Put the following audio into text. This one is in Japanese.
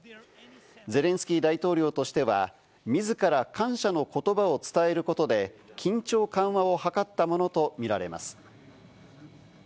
ゼレンスキー大統領としては自ら感謝の言葉を伝えることで緊張緩和を図ったものと見られます。